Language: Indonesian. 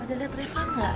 ada lihat reva gak